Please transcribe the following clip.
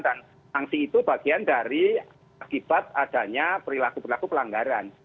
dan sanksi itu bagian dari akibat adanya perilaku pelaku pelanggaran